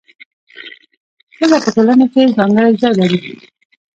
ښځه په ټولنه کي ځانګړی ځای لري.